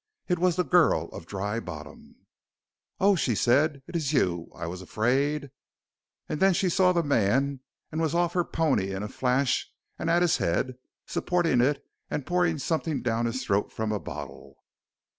It was the girl of Dry Bottom. "Oh!" she said. "Is it you? I was afraid " And then she saw the man and was off her pony in a flash and at his head, supporting it and pouring something down his throat from a bottle.